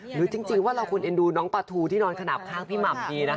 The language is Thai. จริงว่าเราควรเอ็นดูน้องปลาทูที่นอนขนาดข้างพี่หม่ำดีนะคะ